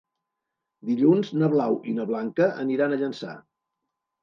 Dilluns na Blau i na Blanca aniran a Llançà.